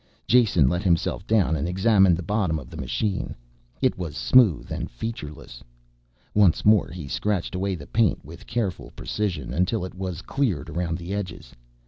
Jason let himself down and examined the bottom of the machine. It was smooth and featureless. Once more he scratched away the paint with careful precision, until it was cleared around the edges.